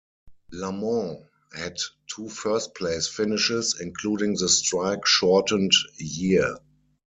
Lamont had two first-place finishes, including the strike shortened year.